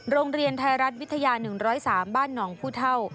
โรงเรียนไทยรัฐวิทยา๑๐๓บ้านหนองผู้เท่า